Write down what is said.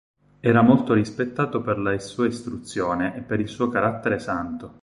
Era molto rispettato per la sua istruzione e per il suo carattere santo.